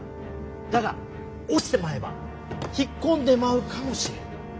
だが落ちてまえば引っ込んでまうかもしれん。